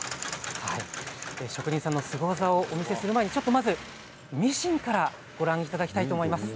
職人さんのスゴ技をお見せする前にミシンからご覧いただきたいと思います。